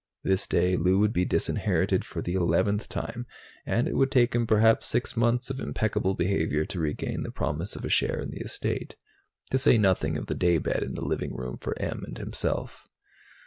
This day, Lou would be disinherited for the eleventh time, and it would take him perhaps six months of impeccable behavior to regain the promise of a share in the estate. To say nothing of the daybed in the living room for Em and himself.